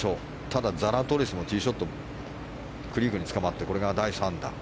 ただ、ザラトリスもティーショットクリークにつかまって第３打。